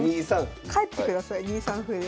帰ってください２三歩で。